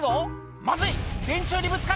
「まずい電柱にぶつかる！」